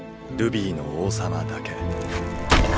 ルビーの王様だけ。